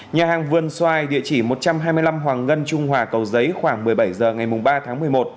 nhà hàng vườn xoài địa chỉ một trăm hai mươi năm hoàng ngân trung hòa cầu giấy khoảng một mươi bảy h ngày ba tháng một mươi một